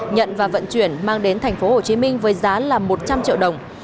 nhận và vận chuyển mang đến tp hcm với giá là một trăm linh triệu đồng